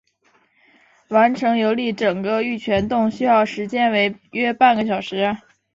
完成游历整个玉泉洞需要时间为约半小时。